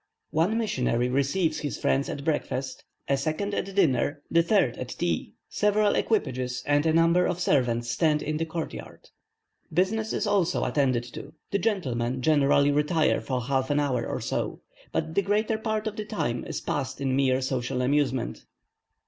One missionary receives his friends at breakfast, a second at dinner, the third at tea, several equipages and a number of servants stand in the court yard. Business is also attended to: the gentleman generally retire for half an hour or so; but the greater part of the time is passed in mere social amusement.